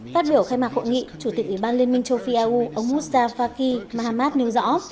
phát biểu khai mạc hội nghị chủ tịch ủy ban liên minh châu phi au ông musta faki mahamad nêu rõ